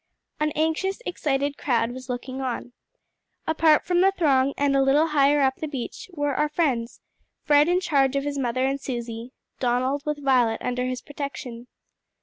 An anxious, excited crowd was looking on. Apart from the throng and a little higher up the beach were our friends, Fred in charge of his mother and Susie, Donald with Violet under his protection.